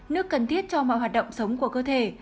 nước cần thiết cho mọi hoạt động sống của cơ thể